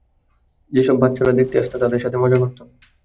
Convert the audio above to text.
যেসব বাচ্চারা দেখতে আসত তাদের সাথে মজা করতাম।